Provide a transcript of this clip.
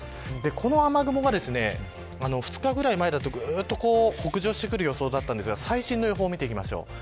この雨雲が２日ぐらい前だと、ぐっと北上してくる予想だったですが最新の予報です。